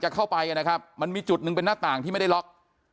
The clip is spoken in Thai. จะเข้าไปกันขับมันมีจุดนึงเป็นนข์ต่างที่ไม่ได้ล็อก